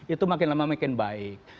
itu makin lama makin baik